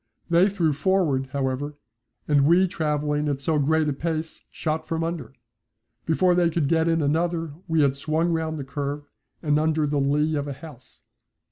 They threw forward, however, and we travelling at so great a pace shot from under. Before they could get in another we had swung round the curve and under the lee of a house.